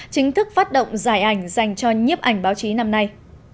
chính thức phát động giải ảnh dành cho nhiếp ảnh báo chí năm nay